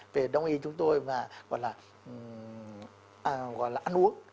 về đồng ý chúng tôi mà gọi là ăn uống